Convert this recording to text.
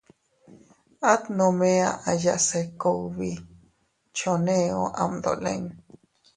At nome aʼaya se kugbi choneo am dolin.